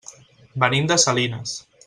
Venim de Salinas.